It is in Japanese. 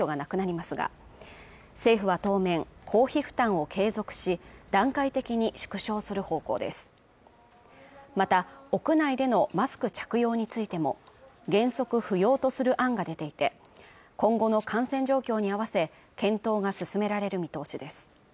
また屋内でのマスク着用についても原則不要とする案が出ていて今後の感染状況に合わせ検討が進められる見通しです